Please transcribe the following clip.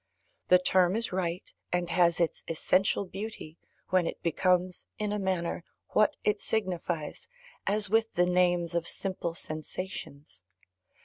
The term is right, and has its essential beauty, when it becomes, in a manner, what it signifies, as with the names of simple sensations.